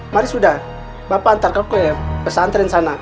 mari sudah bapak antar ke pesantren sana